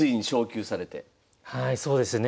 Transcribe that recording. はいそうですね。